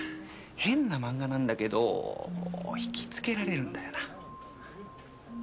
変な漫画なんだけどひきつけられるんだよな。